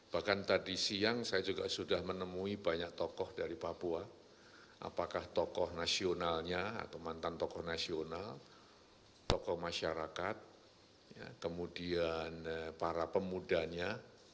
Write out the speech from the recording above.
bahkan tadi siang saya juga sudah menemui banyak tokoh dari papua apakah tokoh nasionalnya atau mantan tokoh nasional tokoh masyarakat kemudian para pemudanya